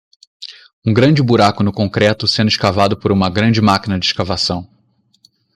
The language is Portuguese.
Um grande buraco no concreto sendo escavado por uma grande máquina de escavação.